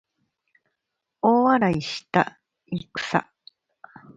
大笑いしたくさ